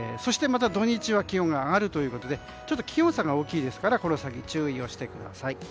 また土日は気温が上がるということで気温差が大きいですからこの先、注意をしてください。